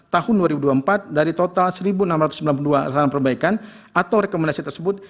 tahun dua ribu dua puluh empat dari total satu enam ratus sembilan puluh dua saran perbaikan atau rekomendasi tersebut